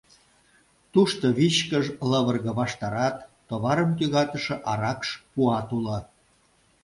Тушто вичкыж, лывырге ваштарат, товарым тӱгатыше аракш пуат уло.